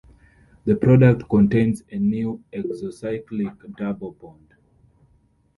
The product contains a new exocyclic double bond.